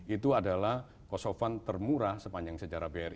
itu adalah kosofan termurah sepanjang sejarah bri